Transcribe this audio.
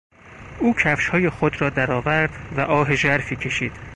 او کفشهای خود را درآورد و آه ژرفی کشید.